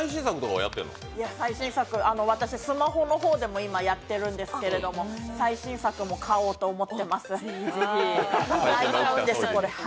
私スマホの方でもやっているんですけれども最新作も買おうと思ってます。